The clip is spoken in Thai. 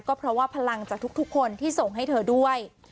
ก็เพราะว่าพลังจากทุกคนที่ส่งให้เธอด้วย